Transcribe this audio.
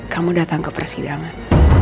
kamu datang ke persidangan